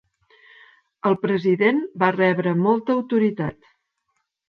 El president va rebre molta autoritat.